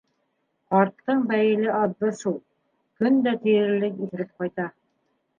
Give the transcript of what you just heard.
Ҡарттың бәйеле аҙҙы шул: көн дә тиерлек иҫереп ҡайта.